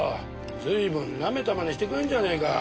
随分なめた真似してくれるじゃねえか。